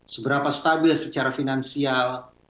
seberapa stabil secara finansial